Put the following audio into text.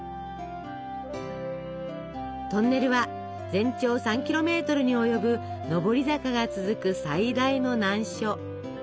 トンネルは全長３キロメートルに及ぶ上り坂が続く最大の難所。